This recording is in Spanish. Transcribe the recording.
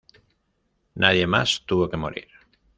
Nadie más tuvo que morir.